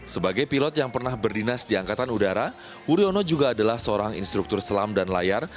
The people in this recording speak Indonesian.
sebagai pilot yang pernah berdinas di angkatan udara wuryono juga adalah seorang instruktur selam dan layar